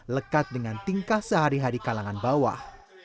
lekat dengan tingkah sehari hari kalangan bawah